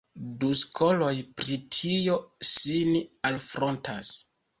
Du skoloj pri tio sin alfrontas.